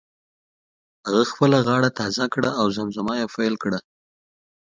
هغه خپله غاړه تازه کړه او زمزمه یې پیل کړه.